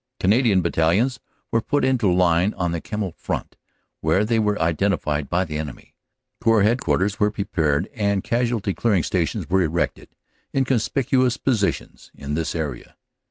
Canadian battalions were put into line on the Kemmel front, where they were identified by the enemy. Corps headquarters were prepared, and casualty clearing stations were erected in conspicuous positions in this area."